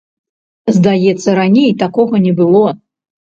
Здаецца, раней такога не было?